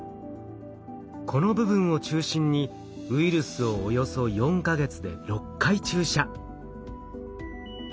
この部分を中心にウイルスをおよそ４か月で６回注射。